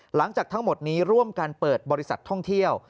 หลังจากทั้งหมดนี้ร่วมกันเปิดบริษัทท่องเที่ยว